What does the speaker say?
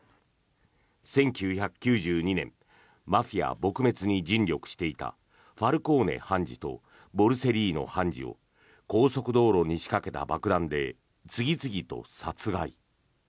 １９９２年、マフィア撲滅に尽力していたファルコーネ判事とボルセリーノ判事を高速道路に仕掛けた爆弾で次々と殺害。